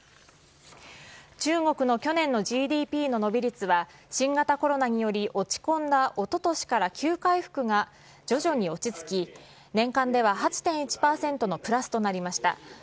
中国の去年のＧＤＰの伸び率は、新型コロナにより落ち込んだおととしから急回復が徐々に落ち着き、年間では８．１％のプラスとなりました。